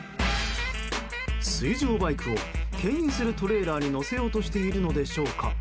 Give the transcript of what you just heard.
水上バイクを牽引するトレーラーに載せようとしているのでしょうか